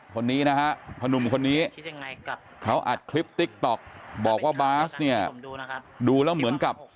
คนนี้นะฮะพนุ่มคนนี้เขาอัดคลิปติ๊กต๊อกบอกว่าบาสเนี่ยดูแล้วเหมือนกับ